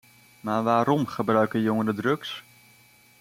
Maar waarom gebruiken jongeren drugs?